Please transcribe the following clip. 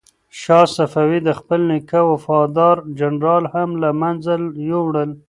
شاه صفي د خپل نیکه وفادار جنرالان هم له منځه یووړل.